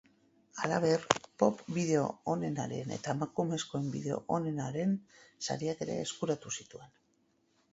Halaber, pop bideo onenaren eta emakumezkoen bideo onenaren sariak ere eskuratu zituen.